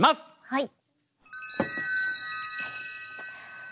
はい。